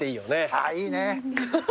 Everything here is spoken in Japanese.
ああいいね。